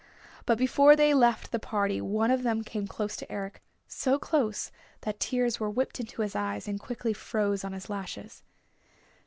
But before they left the party one of them came close to Eric, so close that tears were whipped into his eyes and quickly froze on his lashes.